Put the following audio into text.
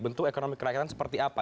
bentuk ekonomi kerakyatan seperti apa